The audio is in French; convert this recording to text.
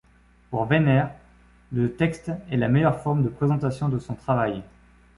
Pour Weiner, le texte est la meilleure forme de présentation de son travail.